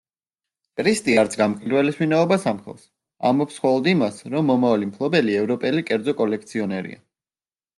კრისტი არც გამყიდველის ვინაობას ამხელს, ამბობს მხოლოდ იმას, რომ მომავალი მფლობელი ევროპელი კერძო კოლექციონერია.